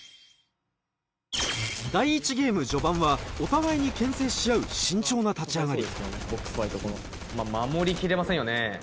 第１ゲーム序盤はお互いにけん制し合う慎重な立ち上がり守り切れませんよね。